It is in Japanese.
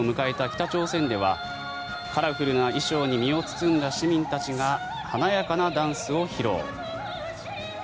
北朝鮮ではカラフルな衣装に身を包んだ市民たちが華やかなダンスを披露。